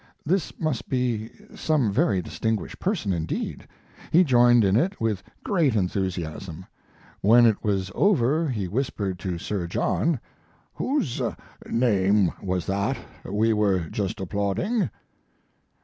This must be some very distinguished person indeed. He joined in it with great enthusiasm. When it was over he whispered to Sir John: "Whose name was that we were just applauding?"